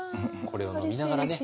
これを飲みながらね。